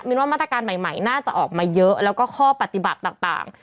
ว่ามาตรการใหม่น่าจะออกมาเยอะแล้วก็ข้อปฏิบัติต่าง